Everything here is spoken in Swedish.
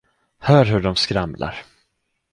Hör hur de skramlar!